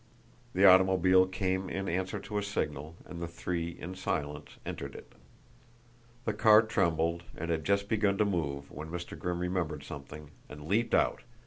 The automobile came in answer to a signal and the three in silence entered it. The car trembled and had just begun to move when Mr. Grimm remembered something, and leaped out.